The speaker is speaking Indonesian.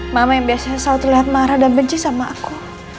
mama yang biasanya selalu terlihat marah dan benci sama aku